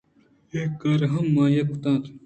اے کار ہم آئیءَ کُت اَنت